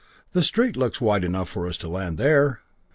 The street looks wide enough for us to land there."